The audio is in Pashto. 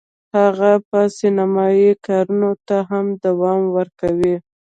هغه به سینمایي کارونو ته هم دوام ورکوي